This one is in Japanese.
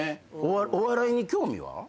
お笑いに興味は？